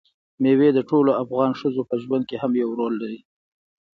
مېوې د ټولو افغان ښځو په ژوند کې هم یو رول لري.